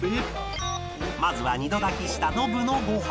まずは二度炊きしたノブのご飯